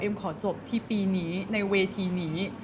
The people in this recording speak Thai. ขอจบที่ปีนี้ในเวทีนี้